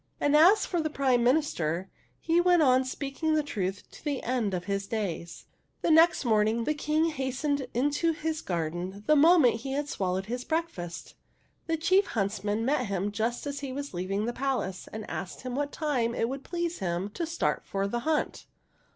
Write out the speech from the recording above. And as for the Prime Minister, he went on speaking the truth to the end of his days. The next morning, the King hastened into his garden the moment he had swallowed his breakfast. The chief huntsman met him just as he was leaving the palace, and asked him what time it would please him to start for the hunt.